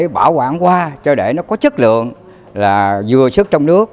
bảo quản hoa cho để nó có chất lượng là vừa sức trong nước